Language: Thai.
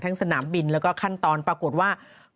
สนามบินแล้วก็ขั้นตอนปรากฏว่า